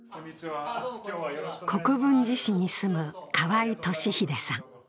国分寺市に住む河合利秀さん。